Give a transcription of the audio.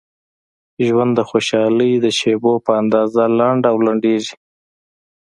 ژوند د خوشحالۍ د شیبو په اندازه لنډ او لنډیږي.